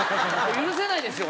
許せないですよ